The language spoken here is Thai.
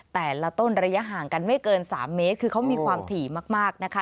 แต่ละต้นระยะห่างกันไม่เกิน๓เมตรคือเขามีความถี่มากนะคะ